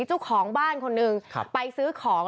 เจ้าของบ้านคนหนึ่งไปซื้อของ